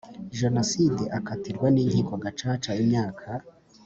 Jenoside akatirwa n inkiko Gacaca imyaka